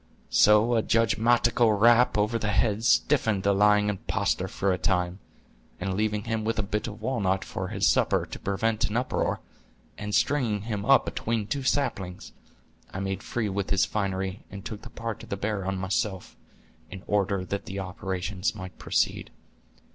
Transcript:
So a judgmatical rap over the head stiffened the lying impostor for a time, and leaving him a bit of walnut for his supper, to prevent an uproar, and stringing him up atween two saplings, I made free with his finery, and took the part of the bear on myself, in order that the operations might proceed."